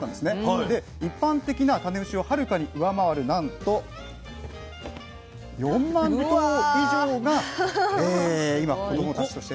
一般的な種牛をはるかに上回るなんと４万頭以上が今子供たちとして。